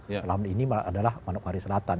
dalam ini adalah manokwari selatan